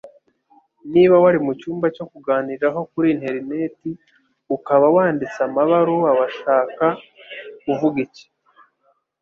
Niba wari mucyumba cyo kuganiriraho kuri interineti ukaba wanditse amabaruwa Washaka kuvuga iki